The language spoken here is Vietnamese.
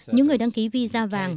những người đăng ký visa vàng